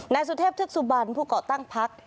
นายสุเทพธึกสุบันผู้ก่อตั้งพัก